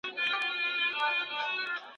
نن پیسې غواړې له خوار او له بډایه